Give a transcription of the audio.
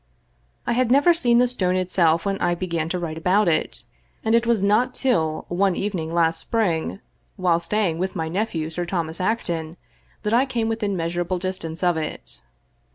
I had never seen the stone itself when I began to write about it, and it was not till one evening last spring, while staying with my nephew. Sir Thomas Acton, that I came within measurable distance of it.